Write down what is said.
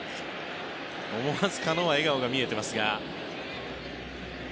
思わずカノは笑顔が見えていますが。